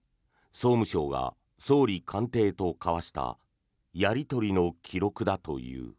総務省が総理官邸と交わしたやり取りの記録だという。